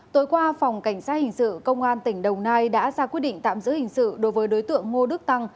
tối qua phòng cảnh sát hình sự công an tỉnh đồng nai đã ra quyết định tạm giữ hình sự đối với đối tượng ngô đức tăng